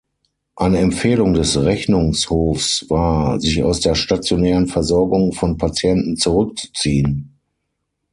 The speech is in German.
Eine Empfehlung des Rechnungshofs war, sich aus der stationären Versorgung von Patienten zurückzuziehen.